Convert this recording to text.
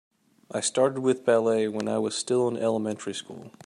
I started with ballet when I was still in elementary school.